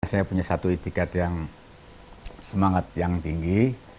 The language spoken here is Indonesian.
saya punya satu itikat yang semangat yang tinggi